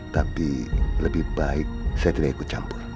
tapi lebih baik saya tidak ikut campur